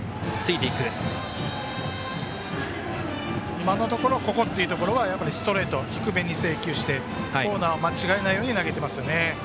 今のところここっていうところはストレート、低めに制球してコーナーを間違えないように投げてますよね。